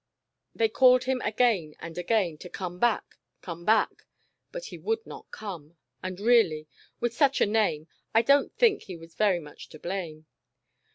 They called him again and again to "Come back, come back," but he would not come, and really, with such a name, I don't think he was very much to blame.